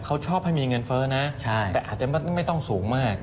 เขาชอบให้มีเงินเฟ้อนะแต่อาจจะไม่ต้องสูงมาก